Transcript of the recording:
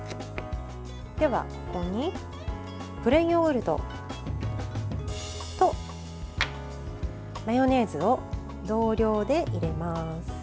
では、ここにプレーンヨーグルトとマヨネーズを同量で入れます。